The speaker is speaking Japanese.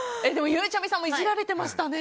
ゆうちゃみさんもイジられてましたね。